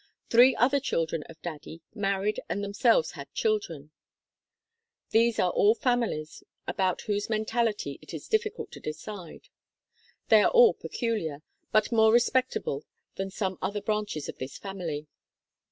Three other children of "Daddy" married and themselves had children. These are all families about whose mentality it is difficult to decide. They are all peculiar, but more respectable than some other branches of this family.